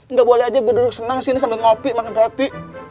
nggak boleh aja gue duduk senang sambil ngopi makan roti